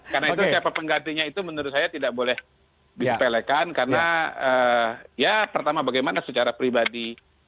karena itu siapa penggantinya itu menurut saya tidak boleh dipelekan karena ya pertama bagaimana secara pribadi